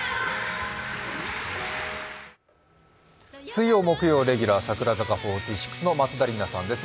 水曜・木曜レギュラー、櫻坂４６の松田里奈さんです。